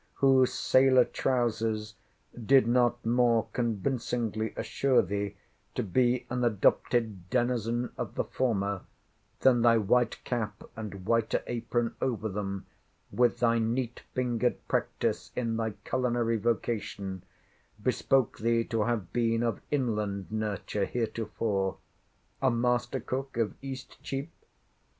—whose sailor trowsers did not more convincingly assure thee to be an adopted denizen of the former, than thy white cap, and whiter apron over them, with thy neat fingered practice in thy culinary vocation, bespoke thee to have been of inland nurture heretofore—a master cook of Eastcheap?